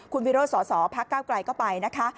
คุณวิโรศสภก้าวไกลเข้าไปนะคะ